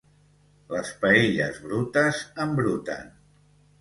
Les paelles brutes embruten